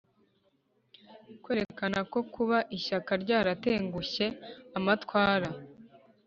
kwerekana ko kuba ishyaka ryaratengushye amatwara